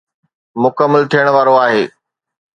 مڪمل ٿيڻ وارو آهي